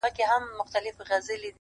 ستا خيال وفكر او يو څو خـــبـــري ـ